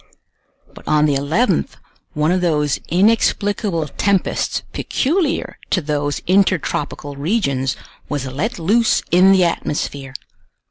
But on the 11th one of those inexplicable tempests peculiar to those intertropical regions was let loose in the atmosphere.